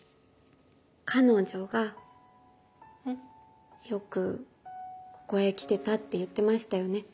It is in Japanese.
彼女がよくここへ来てたって言ってましたよね？